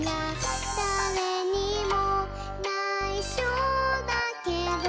「だれにもないしょだけど」